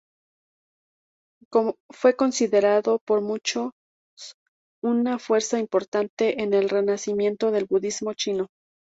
Fue considerado por muchos como una fuerza importante en el renacimiento del budismo chino.